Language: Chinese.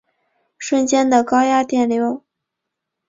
瞬间的高压电流